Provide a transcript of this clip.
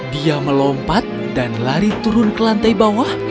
dia melompat dan lari turun ke lantai bawah